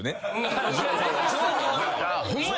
ホンマや！